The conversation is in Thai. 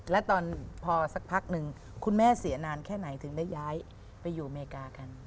แล้วตอนพอสักพักหนึ่งคุณแม่เสียนานแค่ไหนถึงได้ย้ายไปอยู่อเมริกากัน